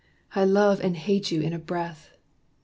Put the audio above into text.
I love and hate you in a breath.